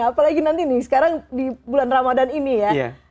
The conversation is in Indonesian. apalagi nanti nih sekarang di bulan ramadan ini ya